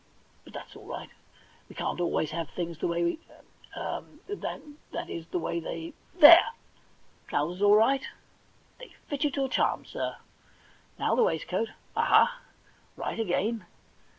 But that's all right ; we can't always have things the way we — that is, the way they — there ! trousers all right, they fit you to a charm, sir ; now the waistcoat : aha, right again